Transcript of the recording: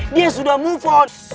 dia sudah mufon